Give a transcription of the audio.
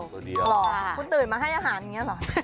หรอคุณตื่นมาให้อาหารอย่างนี้หรอ